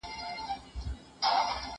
زه لیکل نه کوم،